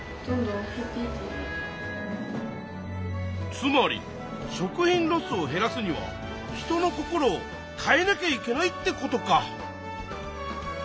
つまり食品ロスを減らすには人の心を変えなきゃいけないってことか。